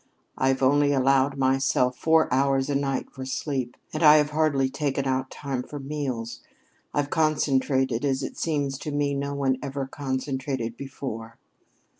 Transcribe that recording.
"I've only allowed myself four hours a night for sleep; and have hardly taken out time for meals. I've concentrated as it seems to me no one ever concentrated before."